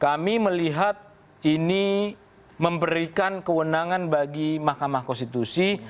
kami melihat ini memberikan kewenangan bagi mahkamah konstitusi